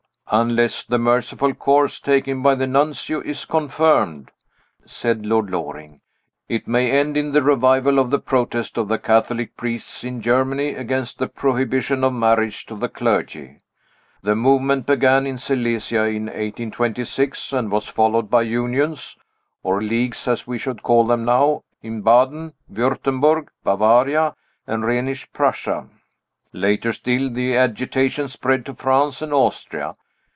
"Unless the merciful course taken by the Nuncio is confirmed," said Lord Loring, "it may end in a revival of the protest of the Catholic priests in Germany against the prohibition of marriage to the clergy. The movement began in Silesia in 1826, and was followed by unions (or Leagues, as we should call them now) in Baden, Wurtemburg, Bavaria, and Rhenish Prussia. Later still, the agitation spread to France and Austria.